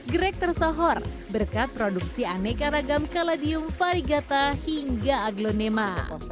greg tersohor berkat produksi aneka ragam kaladium varigata hingga aglonema